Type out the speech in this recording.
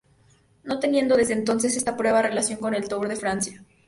No teniendo desde entones esta prueba relación con el Tour de Francia.